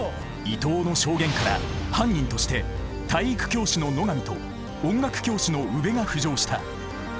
伊藤の証言から犯人として体育教師の野上と音楽教師の宇部が浮上した。